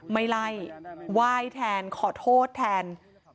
ไม่ไล่ไหว้แทนขอโทษแทน